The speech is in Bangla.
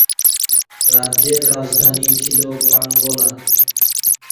রাজ্যের রাজধানী ছিল পাঙ্গনা।